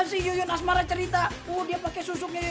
si yuyun asmara cerita oh dia pakai susu